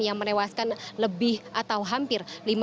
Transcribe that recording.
yang menewaskan lebih atau hampir